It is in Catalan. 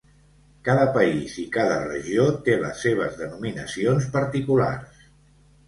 Cada país i cada regió té les seves denominacions particulars.